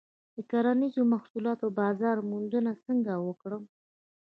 د کرنیزو محصولاتو بازار موندنه څنګه وکړم؟